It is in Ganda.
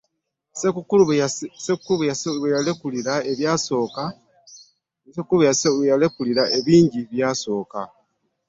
Ssenkulu eyasooka bwe yalekulira bingi ebyasooka.